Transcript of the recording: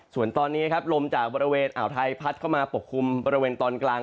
ส่วนตอนนี้ครับลมจากบริเวณอ่าวไทยพัดเข้ามาปกคลุมบริเวณตอนกลาง